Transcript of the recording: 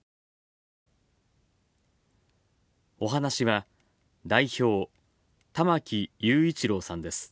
お話しは、代表玉木雄一郎さんです。